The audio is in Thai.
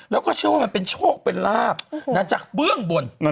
แล้วก็เชื่อว่ามันเป็นโชคเป็นลาบจากเบื้องบน